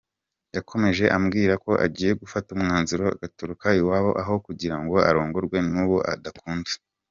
Yakomeje ambwira ko agiye gufata umwanzuro agatoroka iwabo aho kugirango arongorwe n’uwo adakunda.